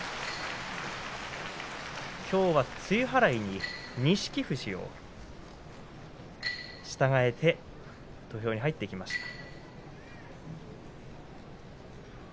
きょうは露払いに錦富士を従えて土俵に入ってきました。